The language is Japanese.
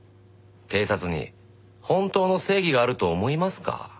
警察に本当の正義があると思いますか？